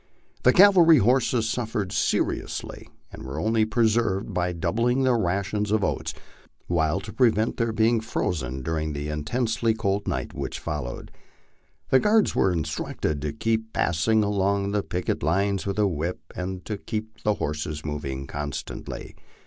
The cavalry horses suffered seri ously, and were only preserved by doubling their ration of oats, while to pre vent their being frozen during the intensely cold night which followed, the guards were instructed to keep passing along the picket lines with a whip, and to keep the horses moving constantly.